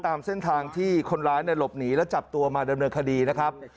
ตามเส้นทางที่คนร้ายหลบหนีและจับตัวมาดำเนินคดีนะครับ